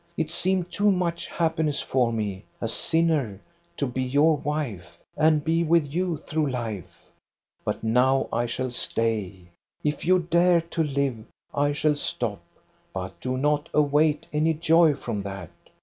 It seemed too much happiness for me, a sinner, to be your wife, and be with you through life. But now I shall stay. If you dare to live, I shall stop; but do not await any joy from that.